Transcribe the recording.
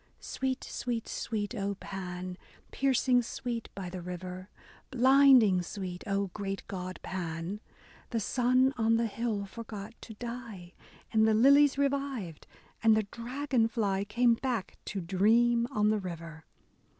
Sweet, sweet, sweet, O Pan ! Piercing sweet by the river ! Blinding sweet, O great god Pan ! The sun on the hill forgot to die, And the lilies revived, and the dragon fly Game back to dream on the river.